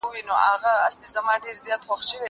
کېدای سي کتابتون بند وي؟!